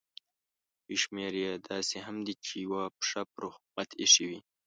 یو شمېر یې داسې هم دي چې یوه پښه پر حکومت ایښې وي.